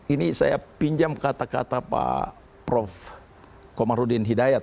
ini saya pinjam kata kata pak prof komarudin hidayat